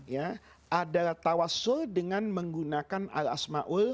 ya adalah tawasul dengan menggunakan al asma'ul husna